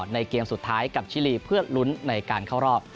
ในเกมสุดท้ายกับชิลีเพื่อลุ้นในการเข้ารอบ